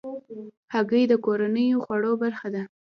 هګۍ د کورنیو خوړو برخه ده.